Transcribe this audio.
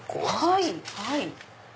はい。